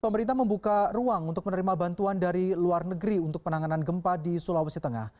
pemerintah membuka ruang untuk menerima bantuan dari luar negeri untuk penanganan gempa di sulawesi tengah